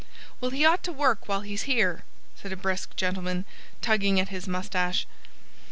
"Well, he ought to work while he's here," said a brisk gentleman, tugging at his moustache.